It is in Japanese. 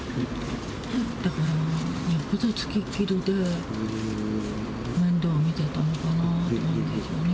だから、よっぽど付きっきりで面倒を見ていたのかなと思いますよね。